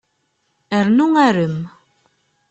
Rnu arem.